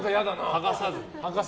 剥がさず？